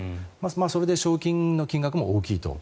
それで賞金の金額も大きいと。